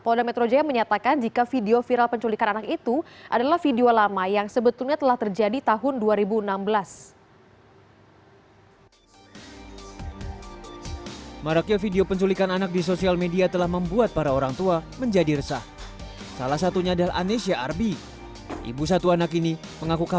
polda metro jaya menyatakan jika video viral penculikan anak itu adalah video lama yang sebetulnya telah terjadi tahun dua ribu enam belas